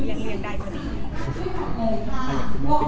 อย่างทุกคนเป็นยังไงบ้างนะครับลูก